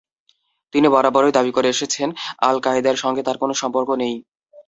তিনি বরাবরই দাবি করে এসেছেন, আল-কায়েদার সঙ্গে তাঁর কোনো সম্পর্ক নেই।